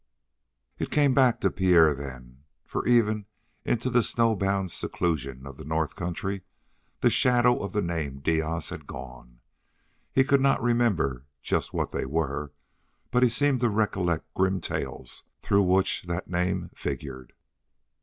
It came back to Pierre then, for even into the snowbound seclusion of the north country the shadow of the name of Diaz had gone. He could not remember just what they were, but he seemed to recollect grim tales through which that name figured.